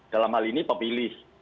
dalam hal ini pemilih